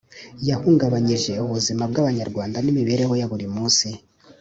yahungabanyije ubuzima bw’abanyarwanda n’imibereho ya buri munsi